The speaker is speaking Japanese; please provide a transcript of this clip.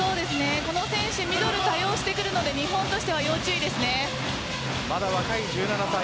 この選手ミドルを多用してくるのでまだ若い１７歳。